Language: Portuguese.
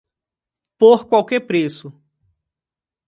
Por qualquer preço.